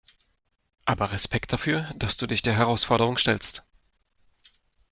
Aber Respekt dafür, dass du dich der Herausforderung stellst.